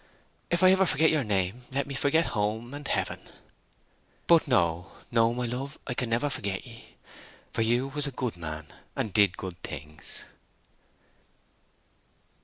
If ever I forget your name, let me forget home and Heaven!—But no, no, my love, I never can forget 'ee; for you was a good man, and did good things!"